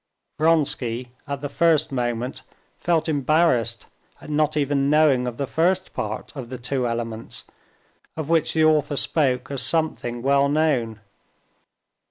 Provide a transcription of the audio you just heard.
Vronsky at the first moment felt embarrassed at not even knowing of the first part of the Two Elements, of which the author spoke as something well known.